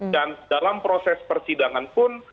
dan dalam proses persidangan pun